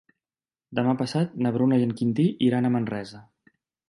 Demà passat na Bruna i en Quintí iran a Manresa.